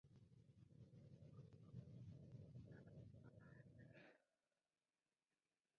En los meses siguientes hubo dos intentos fallidos de establecer un congreso provincial.